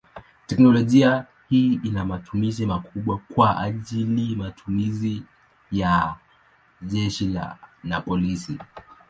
Teknolojia hii ina matumizi makubwa kwa ajili matumizi ya jeshi na polisi.